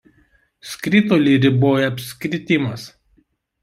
Skritulį riboja apskritimas.